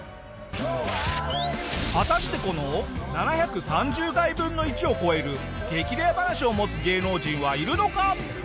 果たしてこの７３０垓分の１を超える激レア話を持つ芸能人はいるのか？